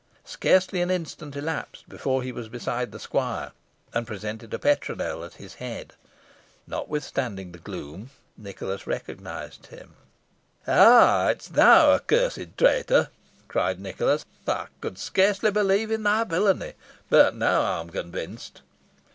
Scarcely an instant elapsed before he was beside the squire, and presented a petronel at his head. Notwithstanding the gloom, Nicholas recognised him. "Ah! is it thou, accursed traitor?" cried Nicholas. "I could scarcely believe in thy villainy, but now I am convinced."